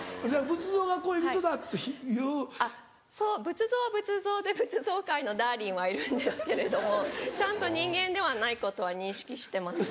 仏像は仏像で仏像界のダーリンはいるんですけれどもちゃんと人間ではないことは認識してます。